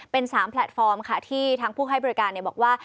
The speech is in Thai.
เป็น๓แพลตฟอร์มค่ะที่ทางผู้ให้บริการบอกว่า